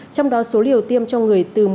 trong đó số liều tiêm cho người